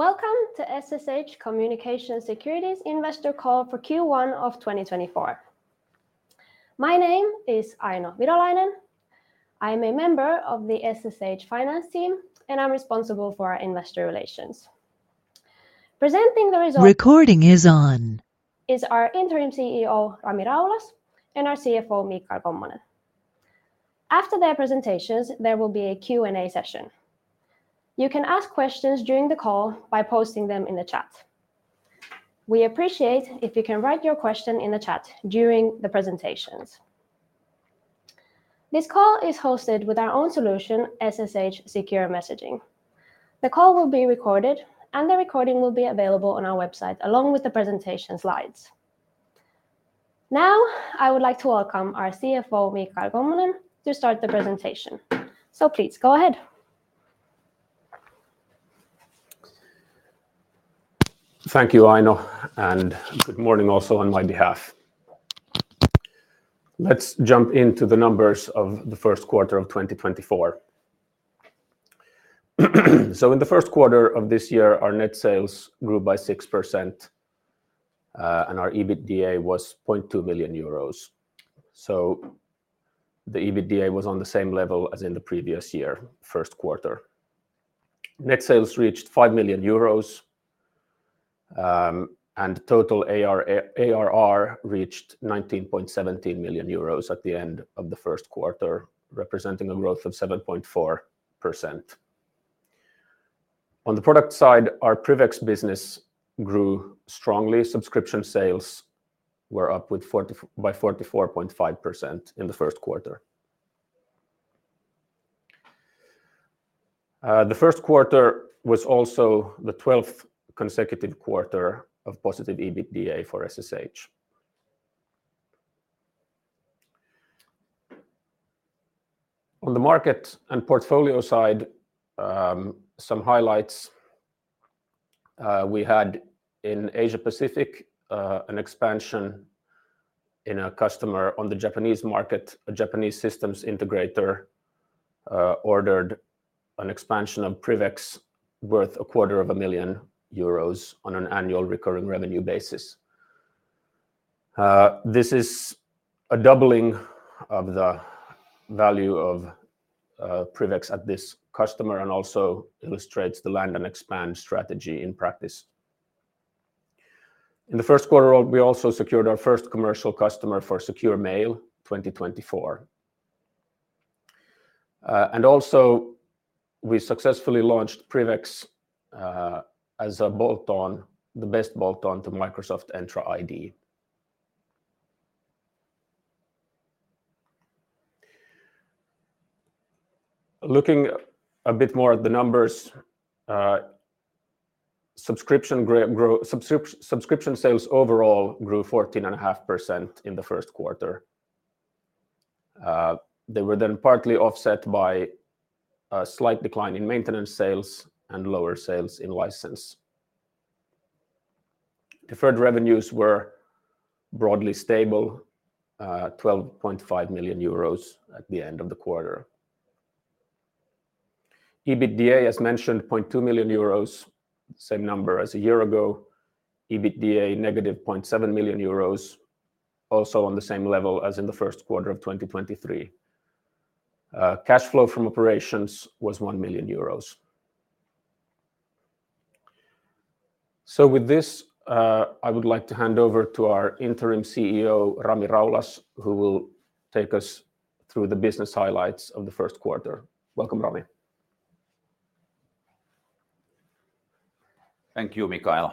Welcome to SSH Communications Security's investor call for Q1 of 2024. My name is Aino Virolainen. I'm a member of the SSH finance team, and I'm responsible for our investor relations. Presenting the results. Recording is on. is our interim CEO, Rami Raulas, and our CFO, Michael Kommonen. After their presentations, there will be a Q&A session. You can ask questions during the call by posting them in the chat. We appreciate if you can write your question in the chat during the presentations. This call is hosted with our own solution, SSH Secure Messaging. The call will be recorded, and the recording will be available on our website along with the presentation slides. Now I would like to welcome our CFO, Michael Kommonen, to start the presentation. So please go ahead. Thank you, Aino, and good morning also on my behalf. Let's jump into the numbers of the first quarter of 2024. So in the first quarter of this year, our net sales grew by 6%, and our EBITDA was 0.2 million euros. So the EBITDA was on the same level as in the previous year, first quarter. Net sales reached 5 million euros, and total ARR reached 19.17 million euros at the end of the first quarter, representing a growth of 7.4%. On the product side, our PrivX business grew strongly. Subscription sales were up by 44.5% in the first quarter. The first quarter was also the 12th consecutive quarter of positive EBITDA for SSH. On the market and portfolio side, some highlights. We had in Asia Pacific an expansion in a customer on the Japanese market. A Japanese systems integrator ordered an expansion of PrivX worth 250,000 euros on an annual recurring revenue basis. This is a doubling of the value of PrivX at this customer and also illustrates the land and expand strategy in practice. In the first quarter, we also secured our first commercial customer for Secure Mail 2024. And also, we successfully launched PrivX as a bolt-on, the best bolt-on to Microsoft Entra ID. Looking a bit more at the numbers, subscription sales overall grew 14.5% in the first quarter. They were then partly offset by a slight decline in maintenance sales and lower sales in license. Deferred revenues were broadly stable, 12.5 million euros at the end of the quarter. EBITDA, as mentioned, 0.2 million euros, same number as a year ago. EBITDA negative 0.7 million euros, also on the same level as in the first quarter of 2023. Cash flow from operations was 1 million euros. So with this, I would like to hand over to our Interim CEO, Rami Raulas, who will take us through the business highlights of the first quarter. Welcome, Rami. Thank you, Michael.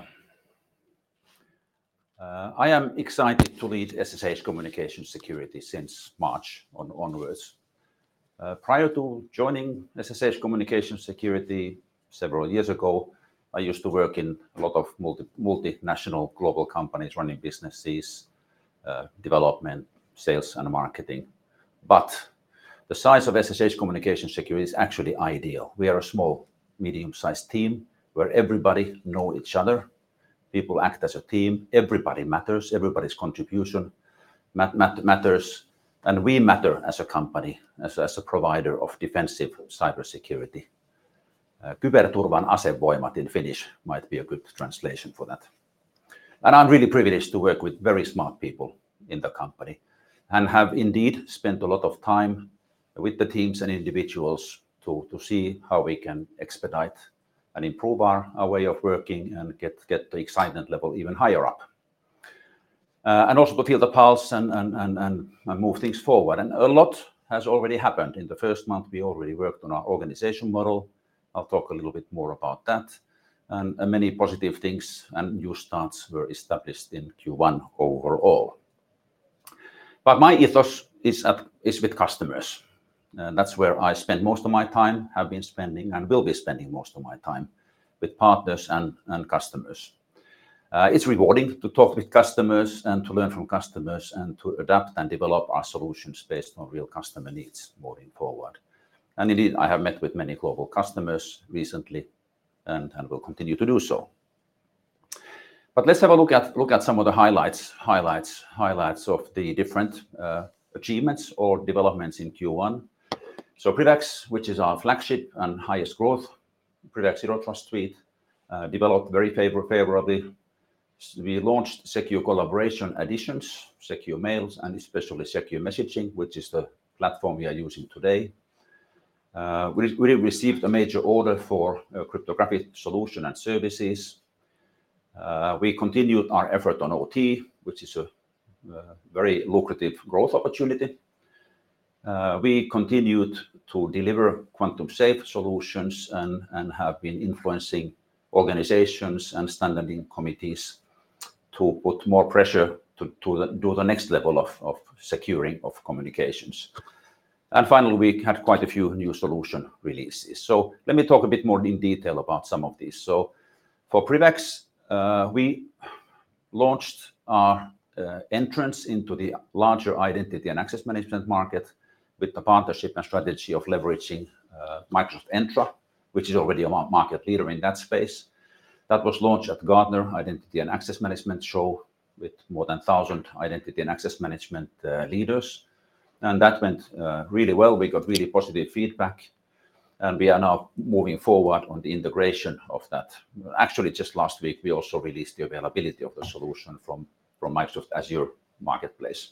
I am excited to lead SSH Communications Security since March onwards. Prior to joining SSH Communications Security several years ago, I used to work in a lot of multinational global companies, running businesses, development, sales, and marketing. But the size of SSH Communications Security is actually ideal. We are a small, medium-sized team where everybody knows each other. People act as a team. Everybody matters. Everybody's contribution matters. And we matter as a company, as a provider of defensive cybersecurity. Kyberturvan asevoimat in Finnish might be a good translation for that. And I'm really privileged to work with very smart people in the company and have indeed spent a lot of time with the teams and individuals to see how we can expedite and improve our way of working and get to excitement level even higher up, and also to feel the pulse and move things forward. A lot has already happened. In the first month, we already worked on our organization model. I'll talk a little bit more about that. Many positive things and new starts were established in Q1 overall. But my ethos is with customers. That's where I spend most of my time, have been spending, and will be spending most of my time, with partners and customers. It's rewarding to talk with customers and to learn from customers and to adapt and develop our solutions based on real customer needs moving forward. Indeed, I have met with many global customers recently and will continue to do so. But let's have a look at some of the highlights of the different achievements or developments in Q1. PrivX, which is our flagship and highest growth, PrivX Zero Trust Suite, developed very favorably. We launched Secure Collaboration additions, Secure Mail, and especially Secure Messaging, which is the platform we are using today. We received a major order for cryptographic solution and services. We continued our effort on OT, which is a very lucrative growth opportunity. We continued to deliver quantum-safe solutions and have been influencing organizations and standing committees to put more pressure to do the next level of securing of communications. Finally, we had quite a few new solution releases. Let me talk a bit more in detail about some of these. For PrivX, we launched our entrance into the larger identity and access management market with the partnership and strategy of leveraging Microsoft Entra, which is already a market leader in that space. That was launched at Gartner Identity and Access Management Summit with more than 1,000 identity and access management leaders. And that went really well. We got really positive feedback. We are now moving forward on the integration of that. Actually, just last week, we also released the availability of the solution from Microsoft Azure Marketplace.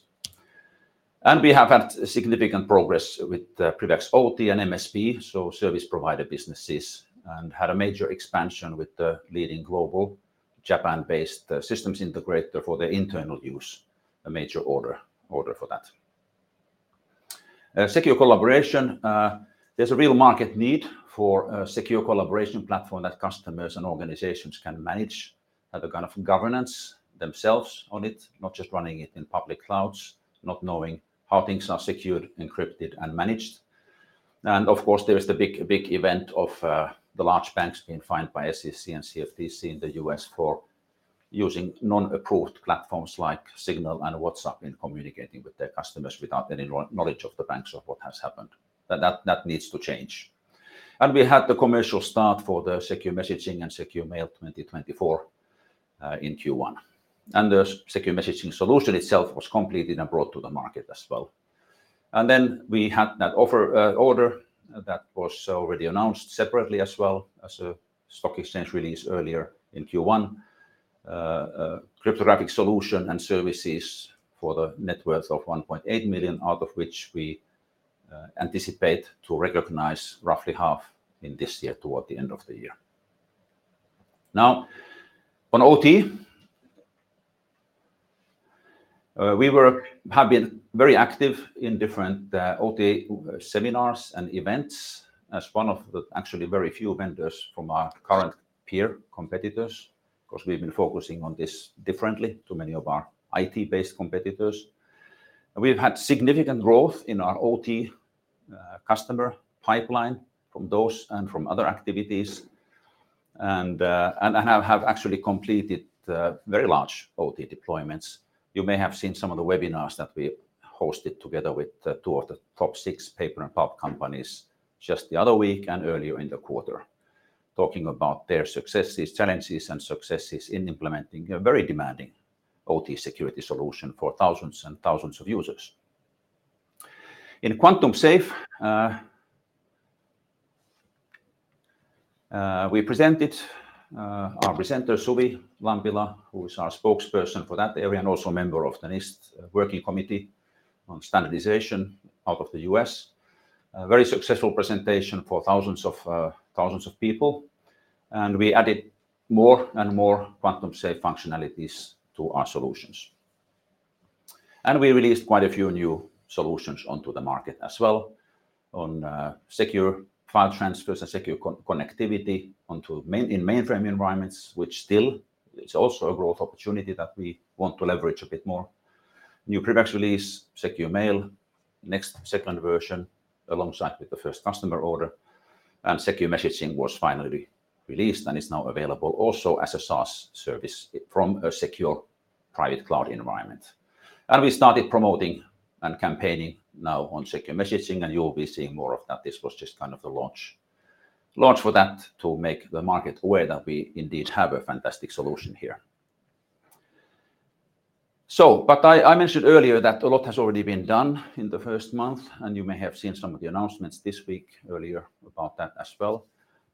We have had significant progress with PrivX OT and MSP, so service provider businesses, and had a major expansion with the leading global Japan-based systems integrator for their internal use, a major order for that. Secure Collaboration, there's a real market need for a secure collaboration platform that customers and organizations can manage, have a kind of governance themselves on it, not just running it in public clouds, not knowing how things are secured, encrypted, and managed. Of course, there is the big event of the large banks being fined by SEC and CFTC in the US for using non-approved platforms like Signal and WhatsApp in communicating with their customers without any knowledge of the banks or what has happened. That needs to change. We had the commercial start for the Secure Messaging and Secure Mail 2024 in Q1. The Secure Messaging solution itself was completed and brought to the market as well. Then we had that order that was already announced separately as well as a stock exchange release earlier in Q1, cryptographic solution and services for the net worth of 1.8 million, out of which we anticipate to recognize roughly half in this year toward the end of the year. Now, on OT, we have been very active in different OT seminars and events as one of the actually very few vendors from our current peer competitors because we've been focusing on this differently to many of our IT-based competitors. We've had significant growth in our OT customer pipeline from those and from other activities and have actually completed very large OT deployments. You may have seen some of the webinars that we hosted together with two of the top six paper and pulp companies just the other week and earlier in the quarter, talking about their successes, challenges, and successes in implementing a very demanding OT security solution for thousands and thousands of users. In Quantum Safe, we presented our presenter, Suvi Lampila, who is our spokesperson for that area and also member of the NIST working committee on standardization out of the U.S. Very successful presentation for thousands of people. We added more and more Quantum Safe functionalities to our solutions. We released quite a few new solutions onto the market as well on secure file transfers and secure connectivity in mainframe environments, which still is also a growth opportunity that we want to leverage a bit more. New PrivX release, Secure Mail, NQX second version alongside with the first customer order. Secure Messaging was finally released and is now available also as a SaaS service from a secure private cloud environment. We started promoting and campaigning now on Secure Messaging, and you'll be seeing more of that. This was just kind of the launch for that to make the market aware that we indeed have a fantastic solution here. But I mentioned earlier that a lot has already been done in the first month, and you may have seen some of the announcements this week earlier about that as well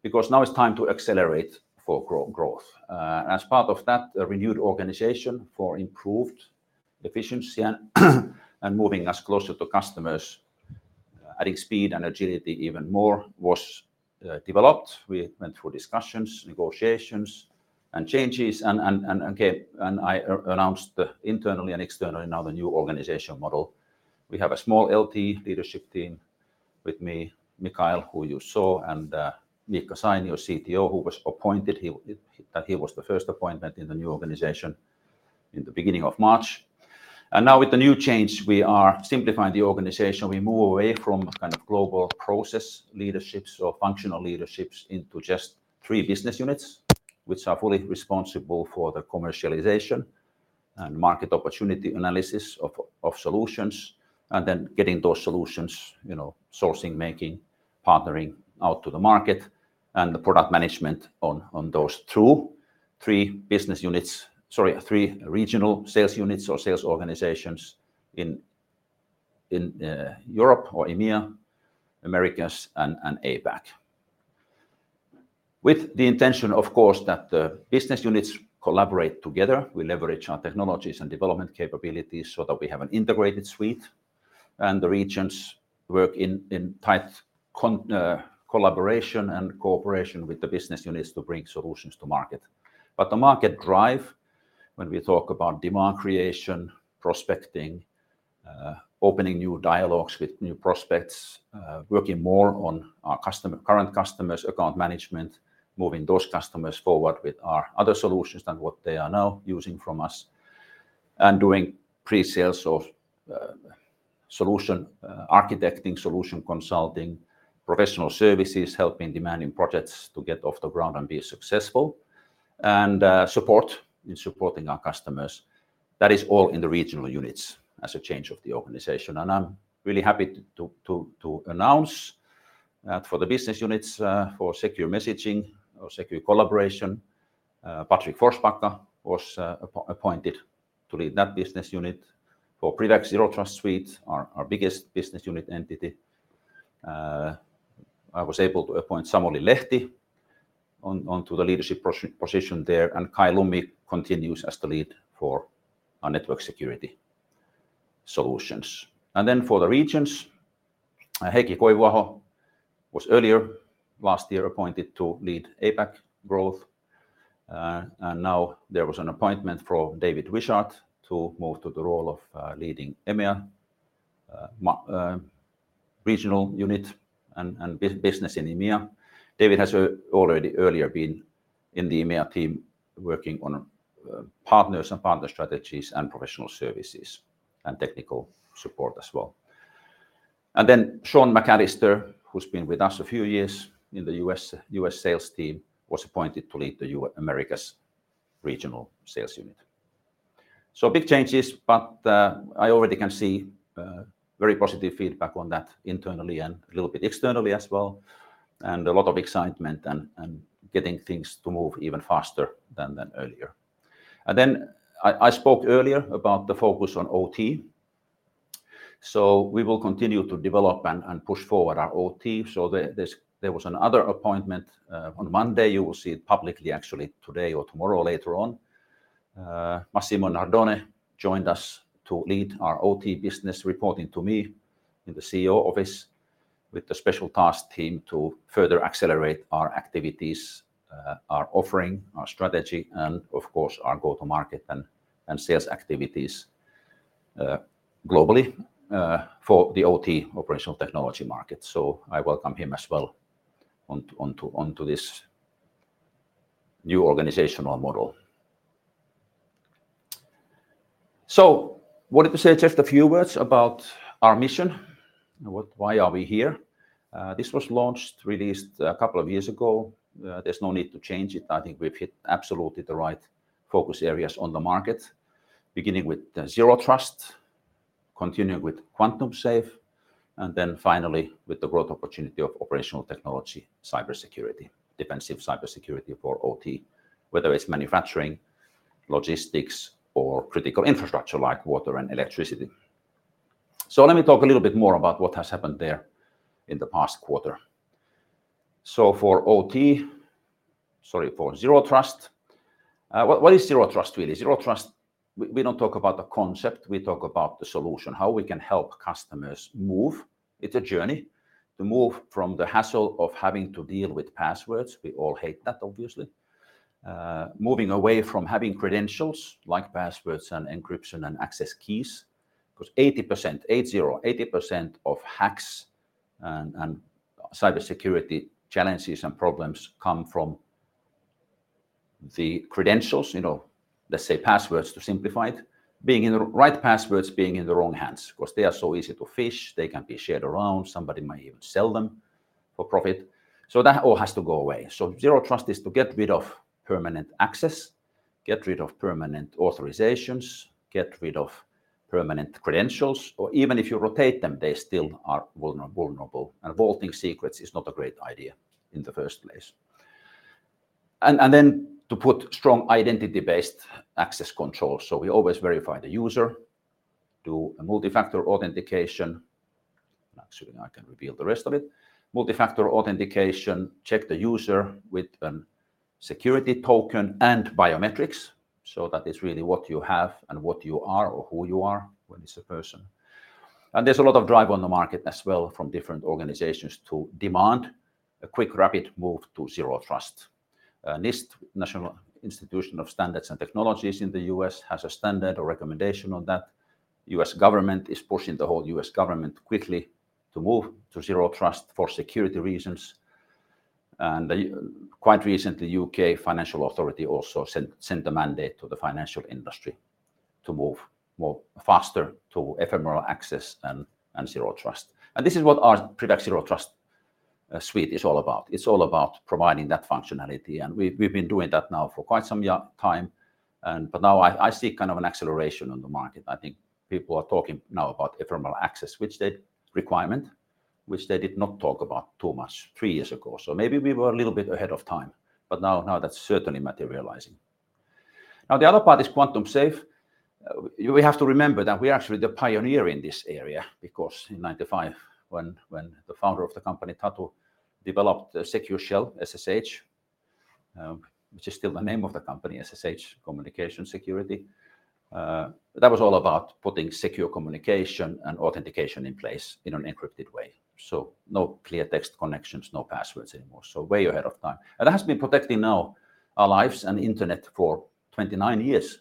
because now it's time to accelerate for growth. As part of that, a renewed organization for improved efficiency and moving us closer to customers, adding speed and agility even more, was developed. We went through discussions, negotiations, and changes. I announced internally and externally now the new organization model. We have a small LT leadership team with me, Michael, who you saw, and Mika Sainio, CTO, who was appointed. He was the first appointment in the new organization in the beginning of March. Now with the new change, we are simplifying the organization. We move away from kind of global process leaderships or functional leaderships into just three business units, which are fully responsible for the commercialization and market opportunity analysis of solutions and then getting those solutions, sourcing, making, partnering out to the market, and the product management on those through three business units, sorry, three regional sales units or sales organizations in Europe, or EMEA, Americas, and APAC. With the intention, of course, that the business units collaborate together. We leverage our technologies and development capabilities so that we have an integrated suite. The regions work in tight collaboration and cooperation with the business units to bring solutions to market. But the market drive, when we talk about demand creation, prospecting, opening new dialogues with new prospects, working more on our current customers, account management, moving those customers forward with our other solutions than what they are now using from us, and doing presales of solution architecting, solution consulting, professional services, helping demanding projects to get off the ground and be successful, and support in supporting our customers. That is all in the regional units as a change of the organization. I'm really happy to announce that for the business units for Secure Messaging or Secure Collaboration, Patrik Forsbacka was appointed to lead that business unit. For PrivX Zero Trust Suite, our biggest business unit entity, I was able to appoint Samuli Lehti onto the leadership position there. Kai Lummi continues as the lead for our network security solutions. And then for the regions, Heikki Koivuaho was earlier last year appointed to lead APAC growth. And now there was an appointment for David Wishart to move to the role of leading EMEA regional unit and business in EMEA. David has already earlier been in the EMEA team working on partners and partner strategies and professional services and technical support as well. And then Sean McAllister, who's been with us a few years in the U.S. sales team, was appointed to lead the Americas regional sales unit. So big changes, but I already can see very positive feedback on that internally and a little bit externally as well. And a lot of excitement and getting things to move even faster than earlier. And then I spoke earlier about the focus on OT. So we will continue to develop and push forward our OT. So there was another appointment on Monday. You will see it publicly actually today or tomorrow later on. Massimo Nardone joined us to lead our OT business, reporting to me in the CEO office with the special task team to further accelerate our activities, our offering, our strategy, and of course, our go-to-market and sales activities globally for the OT operational technology market. So I welcome him as well onto this new organizational model. So what did you say? Just a few words about our mission. Why are we here? This was launched, released a couple of years ago. There's no need to change it. I think we've hit absolutely the right focus areas on the market, beginning with Zero Trust, continuing with Quantum Safe, and then finally with the growth opportunity of operational technology, cybersecurity, defensive cybersecurity for OT, whether it's manufacturing, logistics, or critical infrastructure like water and electricity. So let me talk a little bit more about what has happened there in the past quarter. So for OT, sorry, for Zero Trust, what is Zero Trust really? Zero Trust, we don't talk about a concept. We talk about the solution, how we can help customers move. It's a journey to move from the hassle of having to deal with passwords. We all hate that, obviously. Moving away from having credentials like passwords and encryption and access keys because 80%, 80% of hacks and cybersecurity challenges and problems come from the credentials, let's say passwords to simplify it, being in the right passwords, being in the wrong hands because they are so easy to phish. They can be shared around. Somebody might even sell them for profit. So that all has to go away. So Zero Trust is to get rid of permanent access, get rid of permanent authorizations, get rid of permanent credentials. Or even if you rotate them, they still are vulnerable. And vaulting secrets is not a great idea in the first place. And then to put strong identity-based access control. So we always verify the user, do a multifactor authentication. Actually, I can reveal the rest of it. Multifactor authentication, check the user with a security token and biometrics so that it's really what you have and what you are or who you are when it's a person. And there's a lot of drive on the market as well from different organizations to demand a quick, rapid move to Zero Trust. NIST, National Institute of Standards and Technology in the US, has a standard or recommendation on that. U.S. government is pushing the whole U.S. government quickly to move to Zero Trust for security reasons. Quite recently, the U.K. Financial Authority also sent a mandate to the financial industry to move more faster to ephemeral access and Zero Trust. This is what our PrivX Zero Trust Suite is all about. It's all about providing that functionality. We've been doing that now for quite some time. But now I see kind of an acceleration on the market. I think people are talking now about ephemeral access, which they requirement, which they did not talk about too much three years ago. So maybe we were a little bit ahead of time, but now that's certainly materializing. Now, the other part is Quantum Safe. We have to remember that we are actually the pioneer in this area because in 1995, when the founder of the company, Tatu, developed Secure Shell, SSH, which is still the name of the company, SSH Communications Security, that was all about putting secure communication and authentication in place in an encrypted way. So no clear text connections, no passwords anymore. So way ahead of time. And that has been protecting now our lives and internet for 29 years.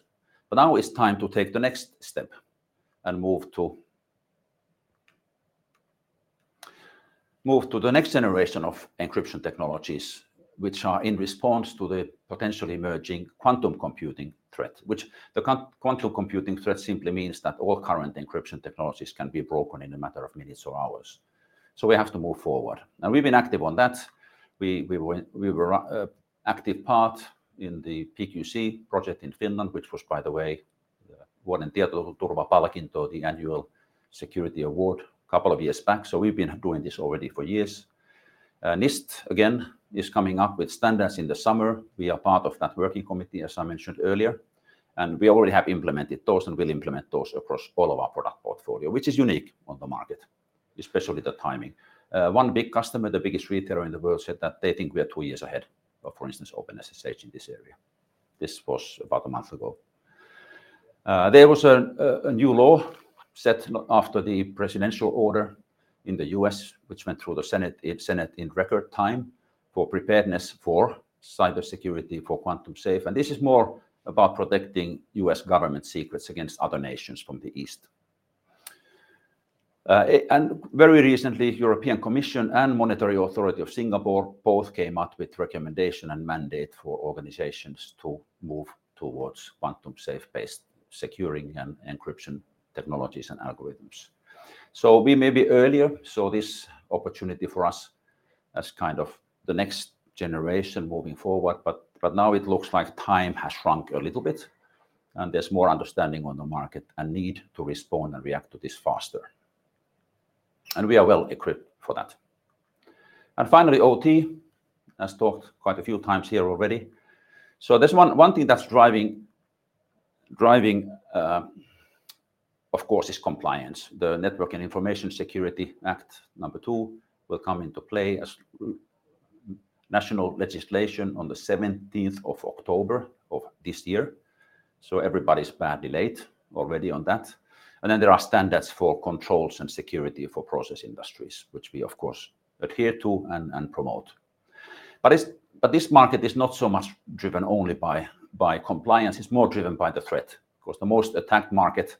But now it's time to take the next step and move to the next generation of encryption technologies, which are in response to the potentially emerging quantum computing threat, which the quantum computing threat simply means that all current encryption technologies can be broken in a matter of minutes or hours. So we have to move forward. And we've been active on that. We were an active part in the PQC project in Finland, which was, by the way, Vuoden Tietoturvapalkinto, the annual security award, a couple of years back. So we've been doing this already for years. NIST, again, is coming up with standards in the summer. We are part of that working committee, as I mentioned earlier. We already have implemented those and will implement those across all of our product portfolio, which is unique on the market, especially the timing. One big customer, the biggest retailer in the world, said that they think we are 2 years ahead of, for instance, OpenSSH in this area. This was about a month ago. There was a new law set after the presidential order in the U.S., which went through the Senate in record time for preparedness for cybersecurity for Quantum Safe. This is more about protecting US government secrets against other nations from the East. Very recently, European Commission and Monetary Authority of Singapore both came up with recommendation and mandate for organizations to move towards Quantum Safe-based securing and encryption technologies and algorithms. So we may be earlier. So this opportunity for us as kind of the next generation moving forward. But now it looks like time has shrunk a little bit, and there's more understanding on the market and need to respond and react to this faster. And we are well equipped for that. And finally, OT, as talked quite a few times here already. So there's one thing that's driving, of course, is compliance. The Network and Information Security Directive number two will come into play as national legislation on the 17th of October of this year. So everybody's badly late already on that. Then there are standards for controls and security for process industries, which we, of course, adhere to and promote. But this market is not so much driven only by compliance. It's more driven by the threat because the most attacked market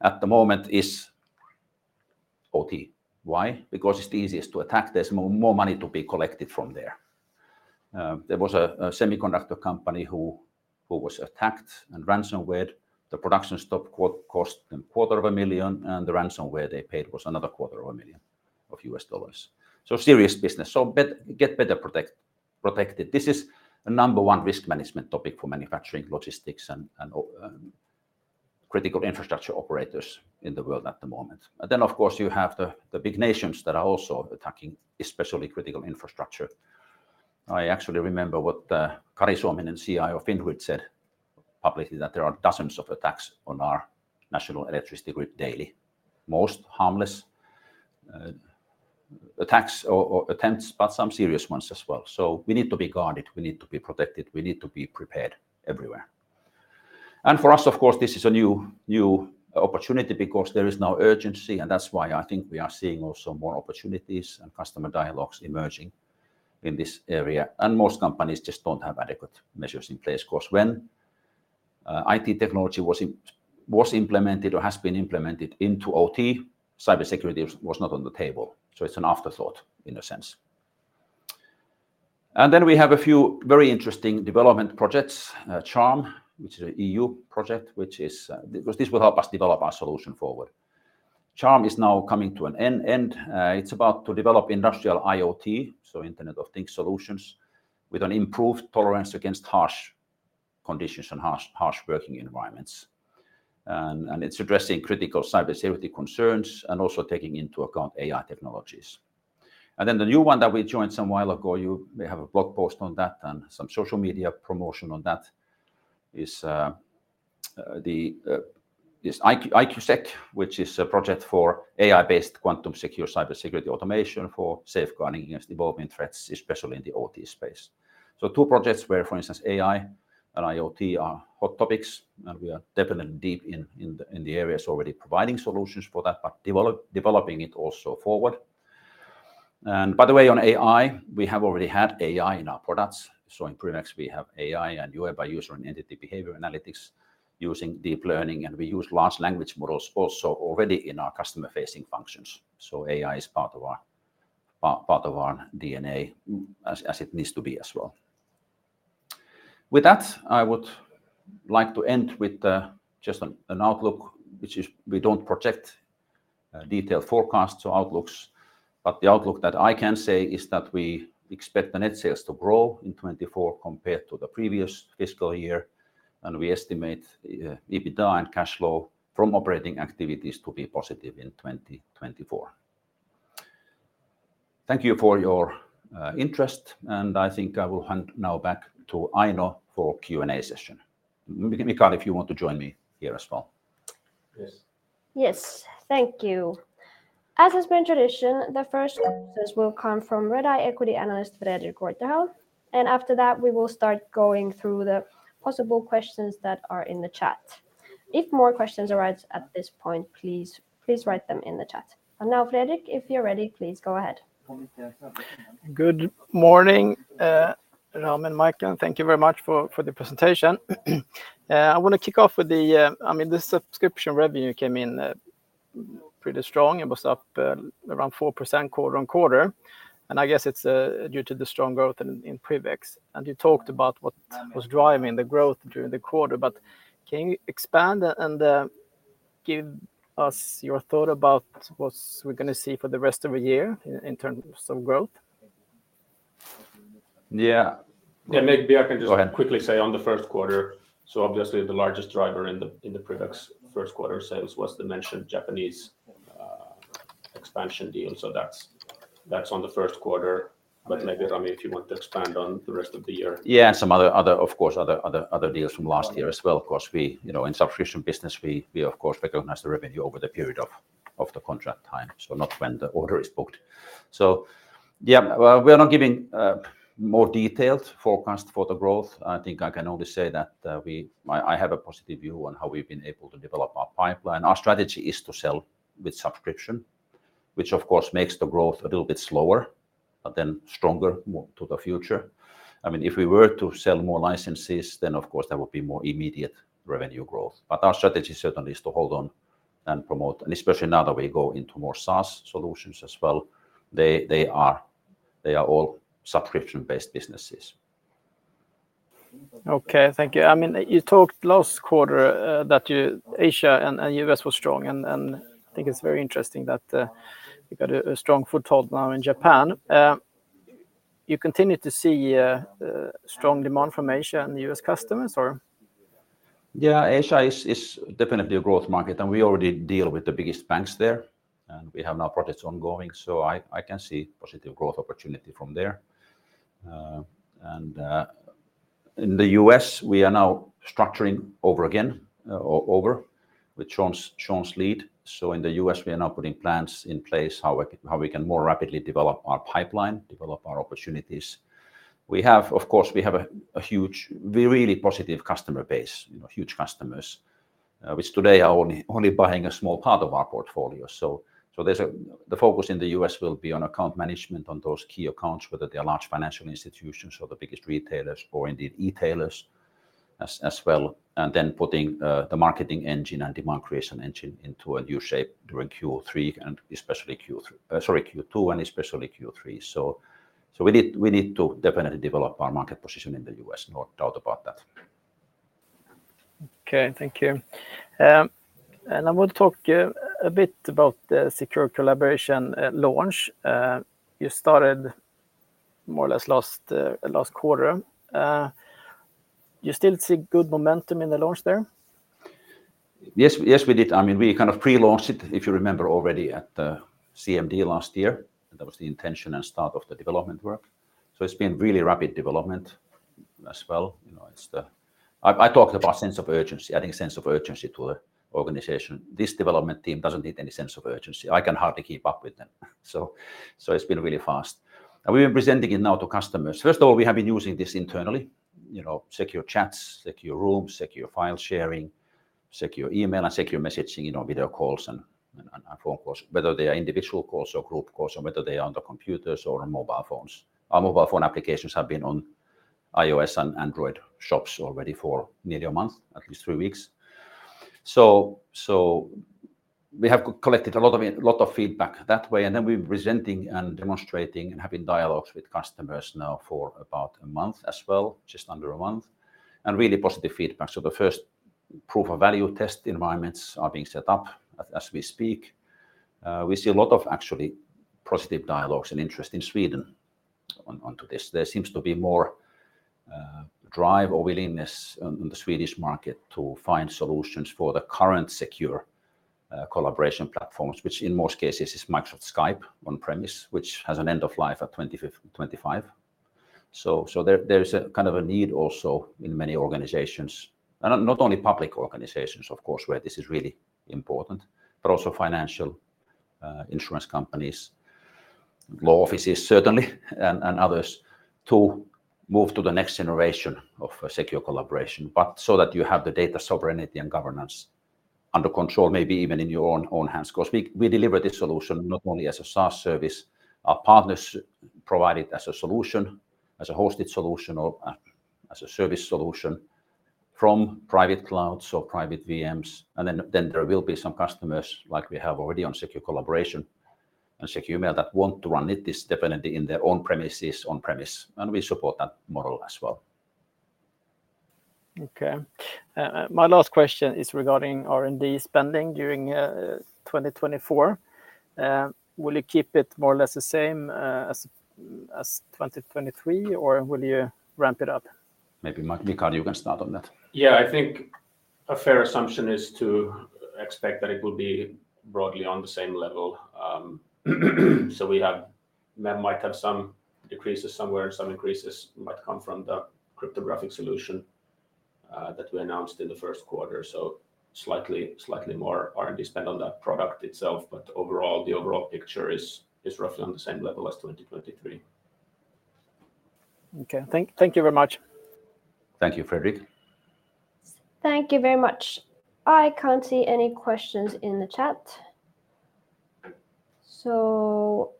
at the moment is OT. Why? Because it's the easiest to attack. There's more money to be collected from there. There was a semiconductor company who was attacked and ransomwared. The production stop cost them $250,000, and the ransomware they paid was another $250,000. So serious business. So get better protected. This is a number one risk management topic for manufacturing, logistics, and critical infrastructure operators in the world at the moment. And then, of course, you have the big nations that are also attacking, especially critical infrastructure. I actually remember what Kari Suominen, CIO of Fingrid, said publicly, that there are dozens of attacks on our national electricity grid daily, most harmless attacks or attempts, but some serious ones as well. So we need to be guarded. We need to be protected. We need to be prepared everywhere. And for us, of course, this is a new opportunity because there is now urgency. And that's why I think we are seeing also more opportunities and customer dialogues emerging in this area. And most companies just don't have adequate measures in place because when IT technology was implemented or has been implemented into OT, cybersecurity was not on the table. So it's an afterthought in a sense. And then we have a few very interesting development projects, CHARM, which is an EU project, which is because this will help us develop our solution forward. CHARM is now coming to an end. It's about to develop industrial IoT, so Internet of Things solutions with an improved tolerance against harsh conditions and harsh working environments. It's addressing critical cybersecurity concerns and also taking into account AI technologies. Then the new one that we joined some while ago, you may have a blog post on that and some social media promotion on that is AIQUSEC, which is a project for AI-based quantum secure cybersecurity automation for safeguarding against development threats, especially in the OT space. Two projects where, for instance, AI and IoT are hot topics, and we are definitely deep in the areas already providing solutions for that, but developing it also forward. By the way, on AI, we have already had AI in our products. So in PrivX, we have AI and UEBA using deep learning. And we use large language models also already in our customer-facing functions. So AI is part of our DNA as it needs to be as well. With that, I would like to end with just an outlook, which is we don't project detailed forecasts or outlooks. But the outlook that I can say is that we expect the net sales to grow in 2024 compared to the previous fiscal year. And we estimate EBITDA and cash flow from operating activities to be positive in 2024. Thank you for your interest. And I think I will hand now back to Aino for Q&A session. Michae if you want to join me here as well. Yes. Yes. Thank you. As has been tradition, the first questions will come from Redeye equity analyst Fredrik Reuterhäll. After that, we will start going through the possible questions that are in the chat. If more questions arise at this point, please write them in the chat. And now, Fredrik, if you're ready, please go ahead. Good morning, Rami and Michael. Thank you very much for the presentation. I want to kick off with the I mean, the subscription revenue came in pretty strong. It was up around 4% quarter-over-quarter. And I guess it's due to the strong growth in PrivX. And you talked about what was driving the growth during the quarter. But can you expand and give us your thought about what we're going to see for the rest of the year in terms of growth? Yeah. Yeah. Maybe I can just quickly say on the first quarter. So obviously, the largest driver in the PrivX first quarter sales was the mentioned Japanese expansion deal. So that's on the first quarter. But maybe, Rami, if you want to expand on the rest of the year. Yeah. And some other, of course, other deals from last year as well. Because in subscription business, we, of course, recognize the revenue over the period of the contract time, so not when the order is booked. So yeah, we are not giving more detailed forecast for the growth. I think I can only say that I have a positive view on how we've been able to develop our pipeline. Our strategy is to sell with subscription, which, of course, makes the growth a little bit slower, but then stronger to the future. I mean, if we were to sell more licenses, then, of course, there would be more immediate revenue growth. But our strategy certainly is to hold on and promote. And especially now that we go into more SaaS solutions as well, they are all subscription-based businesses. Okay. Thank you. I mean, you talked last quarter that Asia and U.S. were strong. And I think it's very interesting that you got a strong foothold now in Japan. You continue to see strong demand from Asia and U.S. customers, or? Yeah. Asia is definitely a growth market. And we already deal with the biggest banks there. And we have now projects ongoing. So I can see positive growth opportunity from there. And in the U.S., we are now structuring over again with Sean's lead. So in the U.S., we are now putting plans in place how we can more rapidly develop our pipeline, develop our opportunities. Of course, we have a huge, really positive customer base, huge customers, which today are only buying a small part of our portfolio. So the focus in the U.S. will be on account management, on those key accounts, whether they are large financial institutions or the biggest retailers or indeed e-tailers as well, and then putting the marketing engine and demand creation engine into a new shape during Q3 and especially Q2 and especially Q3. So we need to definitely develop our market position in the U.S. No doubt about that. Okay. Thank you. And I want to talk a bit about the Secure Collaboration launch. You started more or less last quarter. You still see good momentum in the launch there? Yes, we did. I mean, we kind of pre-launched it, if you remember, already at CMD last year. That was the intention and start of the development work. It's been really rapid development as well. I talked about sense of urgency, adding sense of urgency to the organization. This development team doesn't need any sense of urgency. I can hardly keep up with them. It's been really fast. We've been presenting it now to customers. First of all, we have been using this internally, secure chats, secure rooms, secure file sharing, secure email, and secure messaging, video calls, and phone calls, whether they are individual calls or group calls or whether they are on the computers or on mobile phones. Our mobile phone applications have been on iOS and Android shops already for nearly a month, at least three weeks. We have collected a lot of feedback that way. Then we've been presenting and demonstrating and having dialogues with customers now for about a month as well, just under a month, and really positive feedback. The first proof-of-value test environments are being set up as we speak. We see a lot of actually positive dialogues and interest in Sweden onto this. There seems to be more drive or willingness on the Swedish market to find solutions for the current secure collaboration platforms, which in most cases is Microsoft Skype on-premise, which has an end of life at 2025. So there is a kind of a need also in many organizations, and not only public organizations, of course, where this is really important, but also financial insurance companies, law offices, certainly, and others to move to the next generation of secure collaboration so that you have the data sovereignty and governance under control, maybe even in your own hands. Because we deliver this solution not only as a SaaS service. Our partners provide it as a solution, as a hosted solution, or as a service solution from private clouds or private VMs. And then there will be some customers like we have already on Secure Collaboration and Secure Mail that want to run this definitely in their own premises, on-premise. And we support that model as well. Okay. My last question is regarding R&D spending during 2024. Will you keep it more or less the same as 2023, or will you ramp it up? Maybe Michael, you can start on that. Yeah. I think a fair assumption is to expect that it will be broadly on the same level. So we might have some decreases somewhere, and some increases might come from the cryptographic solution that we announced in the first quarter. So slightly more R&D spend on that product itself. But overall, the overall picture is roughly on the same level as 2023. Okay. Thank you very much. Thank you, Fredrik. Thank you very much. I can't see any questions in the chat. So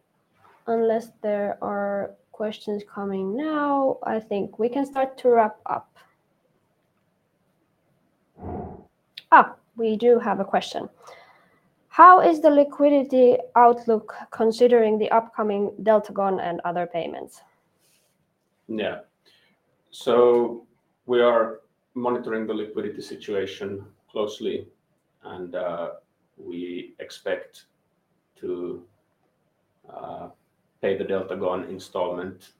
unless there are questions coming now, I think we can start to wrap up. We do have a question. How is the liquidity outlook considering the upcoming Deltagon and other payments? Yeah. So we are monitoring the liquidity situation closely. We expect to pay the Deltagon installment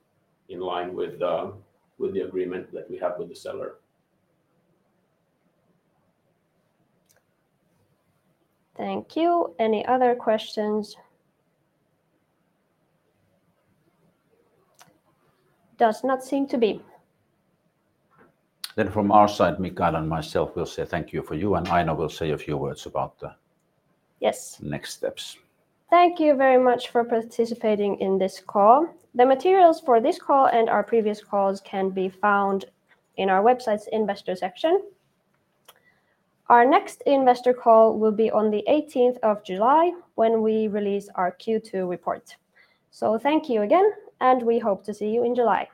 in line with the agreement that we have with the seller. Thank you. Any other questions? Does not seem to be. From our side, Michael and myself will say thank you for you. Aino will say a few words about the next steps. Thank you very much for participating in this call. The materials for this call and our previous calls can be found in our website's investor section. Our next investor call will be on the 18th of July when we release our Q2 report. Thank you again. We hope to see you in July.